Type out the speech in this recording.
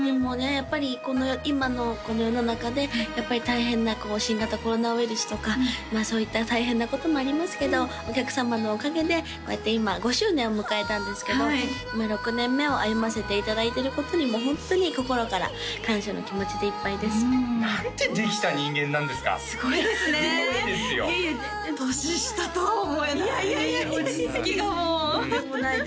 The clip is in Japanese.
やっぱり今のこの世の中でやっぱり大変な新型コロナウイルスとかまあそういった大変なこともありますけどお客様のおかげでこうやって今５周年を迎えたんですけど６年目を歩ませていただいてることにもうホントに心から感謝の気持ちでいっぱいですなんてできた人間なんですかすごいですねすごいですよ年下とは思えない落ち着きがもうとんでもないです